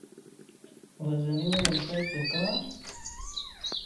Was any one inside the car?